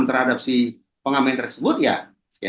terhadap si pengamen tersebut ya